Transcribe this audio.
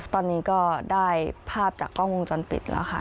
ตอนนี้ก็ได้ภาพจากกล้องวงจรปิดแล้วค่ะ